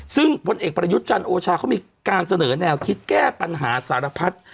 ซึ่งผลเอกประยุทธ์จันทร์โอชาเขามีการเสนอแนวคิดแก้ปัญหาสารพัฒน์